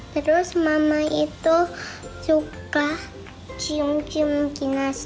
terus mama itu suka cium cium dinas